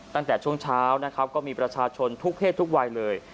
ตั้งแต่ช่วงเช้านะครับก็มีประชาชนทุกเพศทุกวัยเลย